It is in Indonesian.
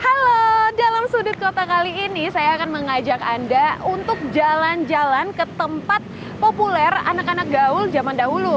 halo dalam sudut kota kali ini saya akan mengajak anda untuk jalan jalan ke tempat populer anak anak gaul zaman dahulu